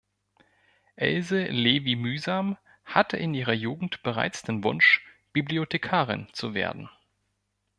Else Levi-Mühsam hatte in ihrer Jugend bereits den Wunsch, Bibliothekarin zu werden.